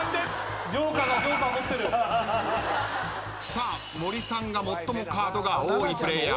さあ森さんが最もカードが多いプレイヤーです。